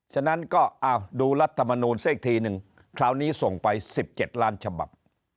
ฉะนั้นก็ดูรัฐมนูลซะอีกทีนึงคราวนี้ส่งไป๑๗ล้านฉบับ